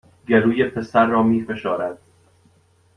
گلوی پسر را می فشارد